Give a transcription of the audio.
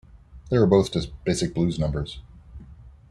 They were both just basic blues numbers.